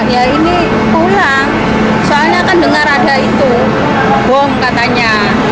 ya ini pulang soalnya kan dengar ada itu bom katanya